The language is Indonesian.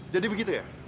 jadi begitu ya